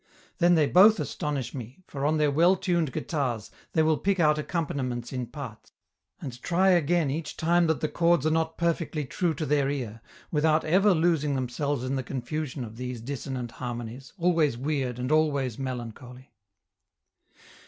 Then they both astonish me, for on their well tuned guitars they will pick out accompaniments in parts, and try again each time that the chords are not perfectly true to their ear, without ever losing themselves in the confusion of these dissonant harmonies, always weird and always melancholy.